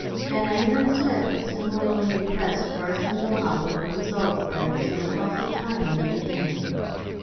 Van Emmon and Smith had similarly impressed Corrus and Dulnop with the result that there was no loss of time in the beginning.